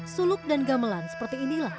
suluk dan gamelan seperti inilah